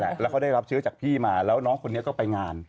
เนี่ยแหละแล้วก็ได้รับเชื้อจากพี่มาแล้วน้องคนนี้ก็ไปงาน